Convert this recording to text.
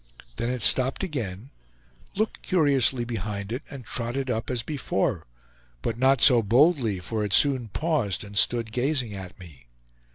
Then it stopped again, looked curiously behind it, and trotted up as before; but not so boldly, for it soon paused and stood gazing at me.